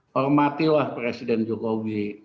hormati lah presiden jokowi